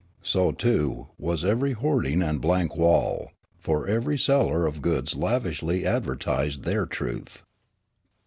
So, too, was every hoarding and blank wall ; for every seller of goods lavishly advertised their " truth."